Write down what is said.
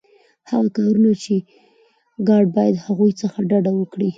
هغه کارونه چي ګارډ باید د هغوی څخه ډډه وکړي.